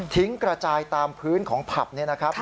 กระจายตามพื้นของผับนี่นะครับ